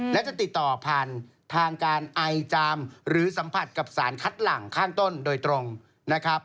และจะติดต่อผ่านทางการไอจามหรือสัมผัสกับสารคัดหลังข้างต้นโดยตรงนะครับ